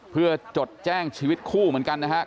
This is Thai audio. เพื่อจดแจ้งชีวิตคู่เหมือนกันนะครับ